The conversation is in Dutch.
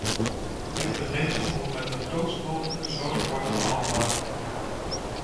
Dit beginsel moet met de grootst mogelijke zorg worden gehandhaafd.